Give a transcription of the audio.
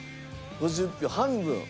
５０票半分。